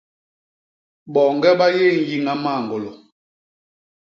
Boñge ba yé nyiña mañgôlô.